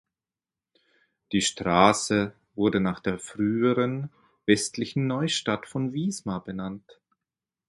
Die Straße wurde nach der früheren westlichen Neustadt von Wismar benannt.